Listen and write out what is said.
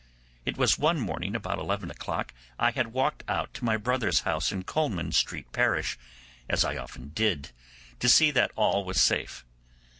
It was one morning about eleven O'clock, I had walked out to my brother's house in Coleman Street parish, as I often did, to see that all was safe.